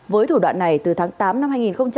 với thủ đoạn này từ tháng tám năm hai nghìn một mươi tám